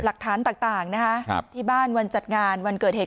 หลักฐานต่างนะฮะที่บ้านวันจัดงานวันเกิดเหตุ